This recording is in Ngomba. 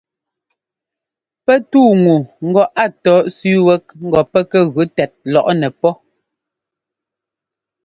Pɛ́ túu ŋu ŋgɔ a tɔ́ ɛ́sẅíi wɛ́k ŋgɔ pɛ́ kɛ gʉ tɛt lɔꞌnɛ pɔ́.